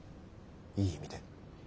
いい意味で。